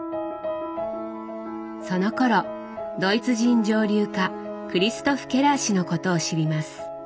そのころドイツ人蒸留家クリストフ・ケラー氏のことを知ります。